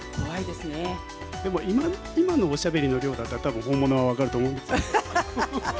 でも、今のおしゃべりの量だったら、たぶん本物は分かると思う。